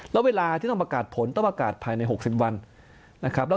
แล้วเวลาที่ต้องประกาศผลต้องประกาศภายใน๖๐วันนะครับ